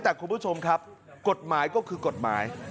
แต่คุณผู้ชมครับกฎหมายก็คือกฎหมาย